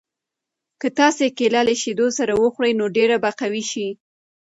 که تاسي کیله له شیدو سره وخورئ نو ډېر به قوي شئ.